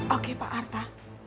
oke pak arta